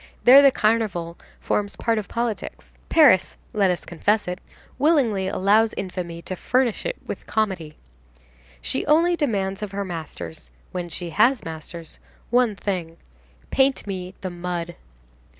There the Carnival forms part of politics. Paris,—let us confess it—willingly allows infamy to furnish it with comedy. She only demands of her masters—when she has masters—one thing: "Paint me the mud."